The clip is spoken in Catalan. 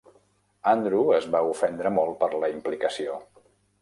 Andrew es va ofendre molt per la implicació.